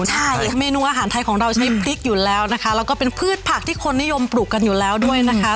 ใช่เมนูอาหารไทยของเราใช้พริกอยู่แล้วนะคะแล้วก็เป็นพืชผักที่คนนิยมปลูกกันอยู่แล้วด้วยนะคะ